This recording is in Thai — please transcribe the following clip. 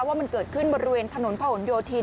ว่ามันเกิดขึ้นบริเวณถนนพระหลโยธิน